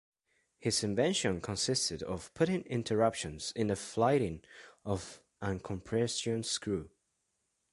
His invention consisted of putting interruptions in the flighting of a compression screw.